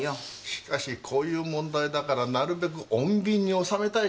しかしこういう問題だからなるべく穏便に収めたいかもしれない。